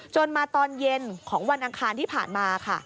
มาตอนเย็นของวันอังคารที่ผ่านมาค่ะ